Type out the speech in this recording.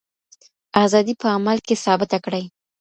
ازادي په عمل کي ثابته کړئ.